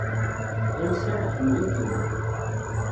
Ɛisa iḥemmel-ikem.